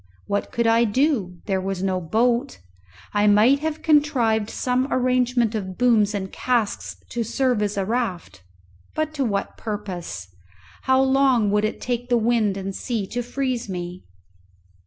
What could I do? There was no boat. I might have contrived some arrangement of booms and casks to serve as a raft, but to what purpose? How long would it take the wind and sea to freeze me?